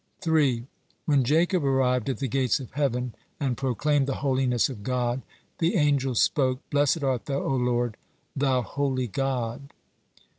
3. When Jacob arrived at the gates of heaven and proclaimed the holiness of God, the angels spoke: "Blessed art Thou, O Lord, Thou holy God."